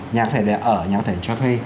nhà có thể để ở nhà có thể để cho thuê